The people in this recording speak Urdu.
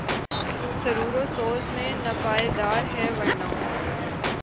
سرور و سوز میں ناپائیدار ہے ورنہ